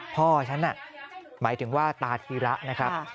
พ่อฉันน่ะหมายถึงว่าตาธีระนะครับ